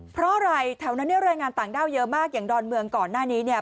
เพราะอะไรแถวนั้นเนี่ยแรงงานต่างด้าวเยอะมากอย่างดอนเมืองก่อนหน้านี้เนี่ย